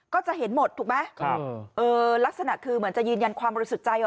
ก็จะเห็นหมดถูกไหมครับเออลักษณะคือเหมือนจะยืนยันความบริสุทธิ์ใจว่า